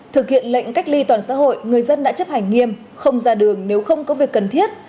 thực hiện lệnh cách ly toàn xã hội người dân đã chấp hành nghiêm không ra đường nếu không có việc cần thiết